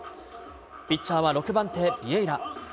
ピッチャーは６番手、ビエイラ。